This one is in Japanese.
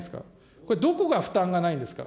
これ、どこが負担がないんですか。